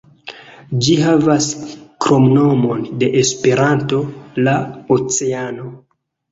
Ĝi havas kromnomon de Esperanto: "La Oceano".